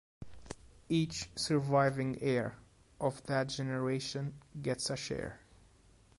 Each surviving heir of that generation gets a share.